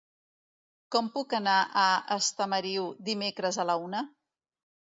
Com puc anar a Estamariu dimecres a la una?